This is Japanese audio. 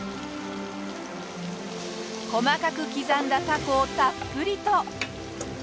細かく刻んだタコをたっぷりと。